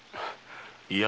いや。